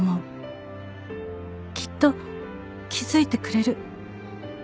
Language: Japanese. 「きっと気付いてくれる」